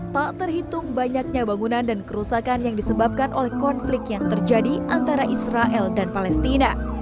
tak terhitung banyaknya bangunan dan kerusakan yang disebabkan oleh konflik yang terjadi antara israel dan palestina